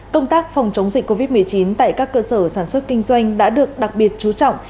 công tác phòng chống dịch covid một mươi chín tại các cơ sở sản xuất kinh doanh đã được đặc biệt chú trọng